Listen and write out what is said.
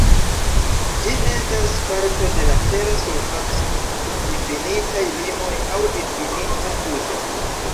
Ĝi estas parto de la tera surfaco, kun difinitaj limoj aŭ difinita uzo.